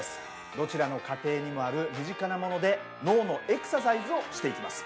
どちらの家庭にもある身近なもので脳のエクササイズをしていきます。